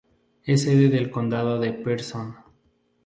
Es sede del condado de Person.